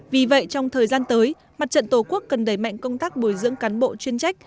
vì vậy trong thời gian tới mặt trận tổ quốc cần đẩy mạnh công tác bồi dưỡng cán bộ chuyên trách